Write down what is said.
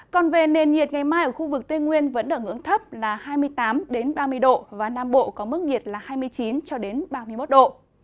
còn về nền nhiệt ngày mai ở khu vực tây nguyên vẫn ở ngưỡng thấp là hai mươi tám ba mươi độ và nam bộ có mức nhiệt là hai mươi chín ba mươi một độ